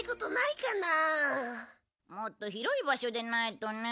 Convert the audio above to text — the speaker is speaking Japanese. もっと広い場所でないとね。